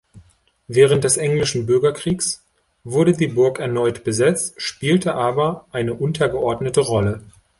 Während des Englischen Bürgerkriegs wurde die Burg erneut besetzt, spielte aber eine untergeordnete Rolle.